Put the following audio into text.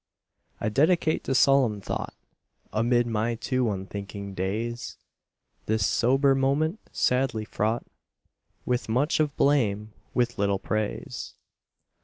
I dedicate to solemn thought Amid my too unthinking days, This sober moment, sadly fraught With much of blame, with little praise.